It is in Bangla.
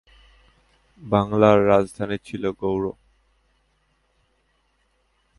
বাংলার রাজধানী ছিল গৌড়।